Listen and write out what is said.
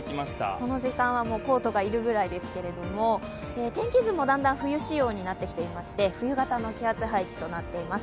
この時間はコートが要るぐらいですけれども、天気図もだんだん冬仕様になってきまして、冬型の気圧配置となっています。